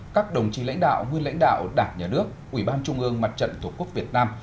các đồng chí lãnh đạo nguyên lãnh đạo đảng nhà nước ủy ban trung ương mặt trận tổ quốc việt nam